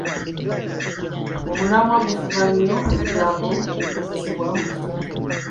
Omulamwa gufuga nnyo ebigambo ebikozesebwa mu kitontome.